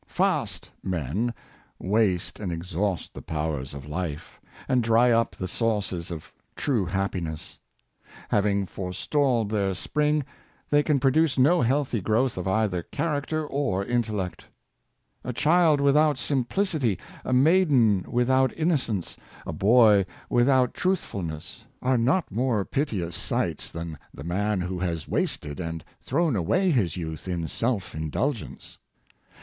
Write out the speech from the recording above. " Fast " men waste and exhaust the powers of life, and drv up the sources of true happinesss. Having forestalled their spring, they can produce no healthy growth of either character or intellect. A child without simplicity, a 308 Robert Nicoll, maiden without innocence, a boy without truthfulness^ are not more piteous sights than the man who has wasted and thrown away his youth in self indulgence.